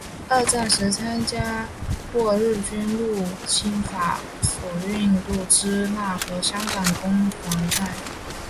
二战时参加过日军入侵法属印度支那和香港攻防战。